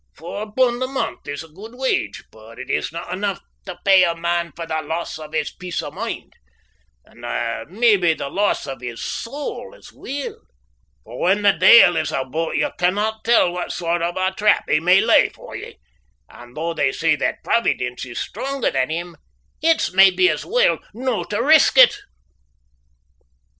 Four pund a month is a good wage, but it isna enough tae pay a man for the loss o' his peace o' mind, and maybe the loss o' his soul as weel, for when the deil is aboot ye canna tell what sort o' a trap he may lay for ye, and though they say that Providence is stronger than him, it's maybe as weel no' to risk it.